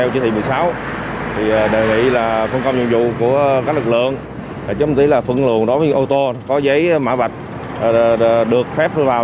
chỉ là phân công nhiệm vụ của các lực lượng chứ không chỉ là phân công nhiệm vụ đối với ô tô có giấy mã vạch được phép lưu vào